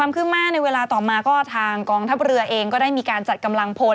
ขึ้นมาในเวลาต่อมาก็ทางกองทัพเรือเองก็ได้มีการจัดกำลังพล